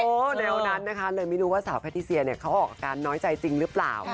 โอ้แนวนั้นนะคะเลยไม่รู้ว่าสาวแพทย์เซียเขาออกการน้อยใจจรึเปล่า